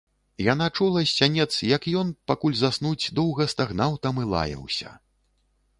Яна чула з сянец, як ён, пакуль заснуць, доўга стагнаў там і лаяўся.